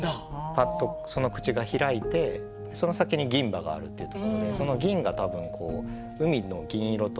パッとその口が開いてその先に銀歯があるっていうところでその銀が多分海の銀色と響き合うような感じがして。